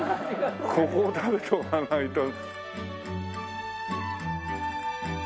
ここ食べておかないと。